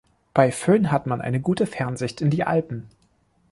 Bei Föhn hat man eine gute Fernsicht in die Alpen.